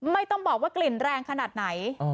ไม่ต้องบอกว่ากลิ่นแรงขนาดไหน